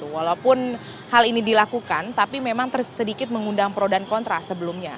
walaupun hal ini dilakukan tapi memang sedikit mengundang pro dan kontra sebelumnya